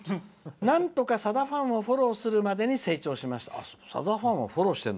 「なんとか、さだファンをフォローするまでに成長しました」。